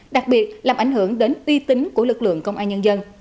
đặc biệt làm ảnh hưởng đến uy tín của lực lượng công an nhân dân